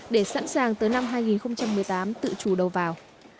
để sẵn sàng tới năm hai nghìn một mươi tám tự chủ đầu vào